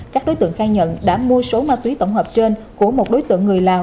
các đối tượng khai nhận đã mua số ma túy tổng hợp trên của một đối tượng người lào